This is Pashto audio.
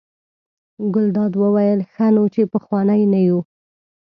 ګلداد وویل: ښه نو چې پخواني نه یو.